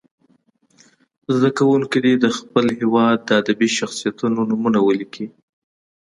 زده کوونکي دې د خپل هېواد د ادبي شخصیتونو نومونه ولیکي.